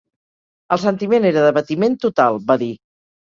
El sentiment era d’abatiment total, va dir.